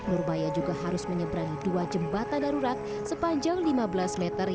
nurbaya juga harus menyeberangi dua jembatan darurat sepanjang lima belas meter